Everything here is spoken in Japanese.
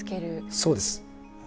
そうです。